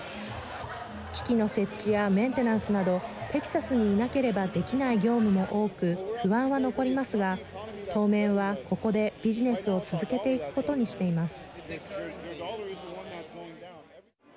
機器の設置やメンテナンスなどテキサスにいなければできない業務も多く不安は残りますが当面は、ここでビジネスを続けていくことにしています。